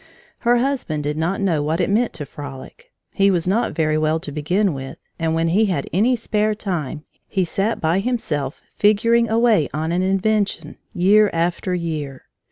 Her husband did not know what it meant to frolic. He was not very well to begin with, and when he had any spare time, he sat by himself figuring away on an invention, year after year.